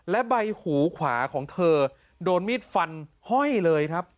และใบหูขวาของเธอโดนมีดฟันห้อยเลยครับ